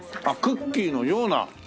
あっクッキーのような？